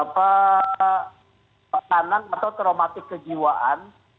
pertahanan atau traumatik kejiwaan